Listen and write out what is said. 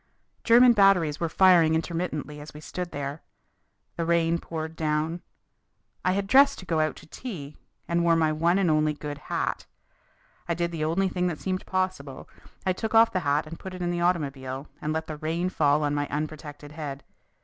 German batteries were firing intermittently as we stood there. The rain poured down. I had dressed to go out to tea and wore my one and only good hat. I did the only thing that seemed possible I took off that hat and put it in the automobile and let the rain fall on my unprotected head.